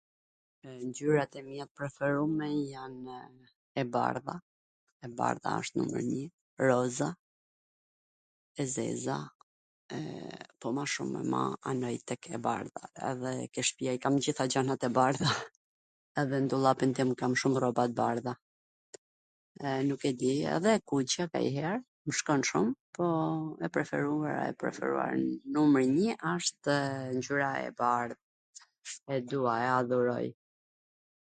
Ngjyrat e mia tw preferume janw e bardha, e bardha asht numri nji, roza, e zeza, po ma shum ama anoj tek e bardha, dhe ke shpia i kam t gjitha gjanat e bardha, edhe n dollapin tim kam shum rroba t bardha, e nuk e di, edhe e kuqja kanjher, shkon shum, po e preferume, e preferuara, numri nji asht ngjyra e bardh.